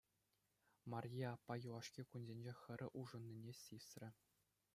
Марье аппа юлашки кунсенче хӗрӗ улшӑннине сисрӗ.